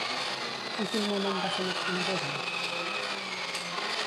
En quin moment va ser més coneguda?